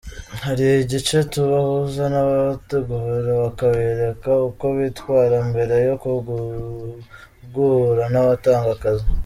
Hari igice tubahuza n’ababategura bakabereka uko bitwara mbere yo guhura n’abatanga akazi.